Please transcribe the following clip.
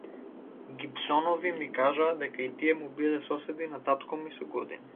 Гибсонови ми кажаа дека и тие му биле соседи на татко ми со години.